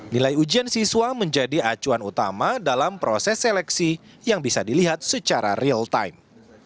nilai ujian siswa menjadi acuan utama dalam proses seleksi yang bisa dilihat secara real time